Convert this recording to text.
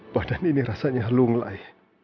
badan ini rasanya lunglai